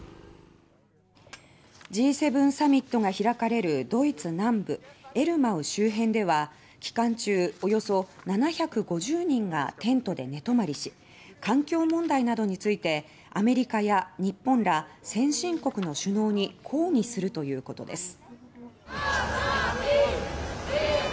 Ｇ７サミットが開かれるドイツ南部エルマウ周辺では期間中、およそ７５０人がテントで寝泊まりし環境問題などについてアメリカや日本ら先進国の首脳に抗議するということです。